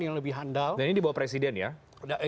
yang lebih handal dan ini di bawah presiden ya